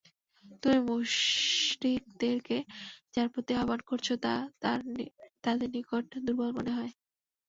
তুমি মুশরিকদেরকে যার প্রতি আহবান করছ তা তাদের নিকট দুর্বল মনে হয়।